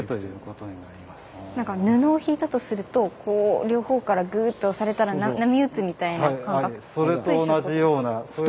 布をひいたとするとこう両方からグーッと押されたら波打つみたいな感覚と一緒ってこと。